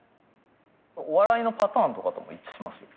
お笑いのパターンとかとも一致しますよ。